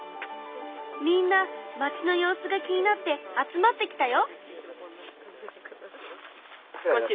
みんな町の様子が気になって集まってきたよ。